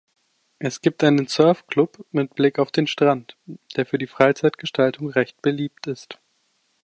Es gibt einen Surfclub mit Blick auf den Strand, der für die Freizeitgestaltung recht beliebt ist.